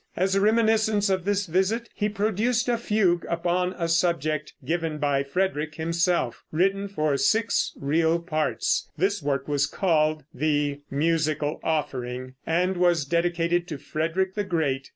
As a reminiscence of this visit he produced a fugue upon a subject given by Frederick himself, written for six real parts. This work was called the "Musical Offering," and was dedicated to Frederick the Great.